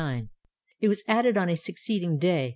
It was added on a succeeding day.